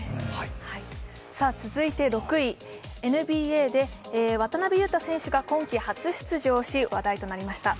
続いて６位、ＮＢＡで渡邊雄太選手が今季初出場し話題となりました。